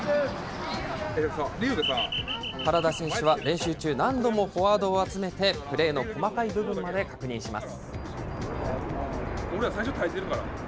原田選手は練習中、何度もフォワードを集めてプレーの細かい部分まで確認します。